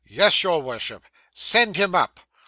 'Yes, your Worship.' 'Send him up.